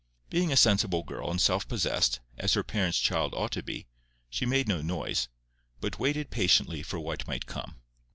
Being a sensible girl and self possessed, as her parents' child ought to be, she made no noise, but waited patiently for what might come.